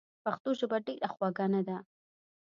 پښتو ژبه ډېره خوږه نده؟!